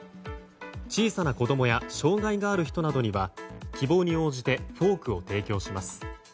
小さな子供や障害がある人などには希望に応じてフォークを提供します。